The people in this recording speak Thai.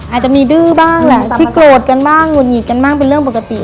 อาจจะมีดื้อบ้างแหละที่โกรธกันบ้างหงุดหงิดกันบ้างเป็นเรื่องปกติ